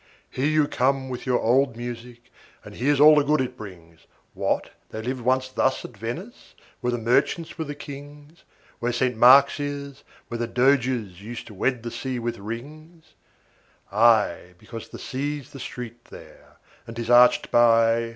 Here you come with your old music, and here's all the good it brings. What, they lived once thus at Venice where the merchants were the kings, Where St. Mark's° is, where the Doges used to wed the sea with rings°? °6 Ay, because the sea's the street there; and 'tis arched by